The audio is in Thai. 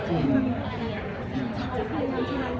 จะทำทีละเรื่อง